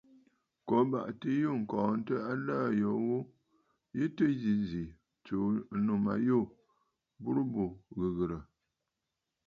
Kǒ abàʼati yû ŋ̀kɔɔntə aləə̀ yo ghu, ǹyi tɨ yǐ zì ǹtsuu ànnù ma yû bǔ burə ghɨghɨ̀rə̀!